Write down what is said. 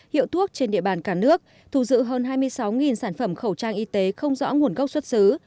hiệu thuốc trên địa bàn cả nước thu giữ hơn hai mươi sáu sản phẩm khẩu trang y tế không rõ nguồn gốc xuất xứ